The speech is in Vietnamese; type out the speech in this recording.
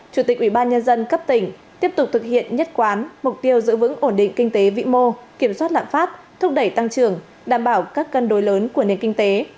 chủ tịch ubnd cấp tỉnh tiếp tục thực hiện nhất quán mục tiêu giữ vững ổn định kinh tế vĩ mô kiểm soát lạng pháp thúc đẩy tăng trưởng đảm bảo các cân đối lớn của nền kinh tế